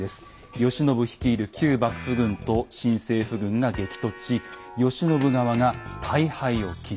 慶喜率いる旧幕府軍と新政府軍が激突し慶喜側が大敗を喫する。